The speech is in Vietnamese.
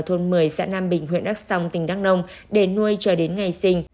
thôn một mươi xã nam bình huyện đắk sông tỉnh đắk nông để nuôi cho đến ngày sinh